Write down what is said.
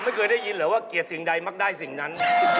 ไม่เคยได้ยินเหรอว่าเกลียดสิ่งใดมักได้สิ่งนั้น